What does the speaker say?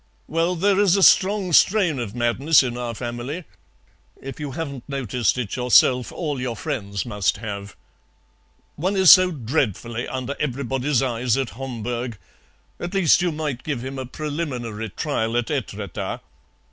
"Well, there is a strong strain of madness in our family. If you haven't noticed it yourself all your friends must have." "One is so dreadfully under everybody's eyes at Homburg. At least you might give him a preliminary trial at Etretat."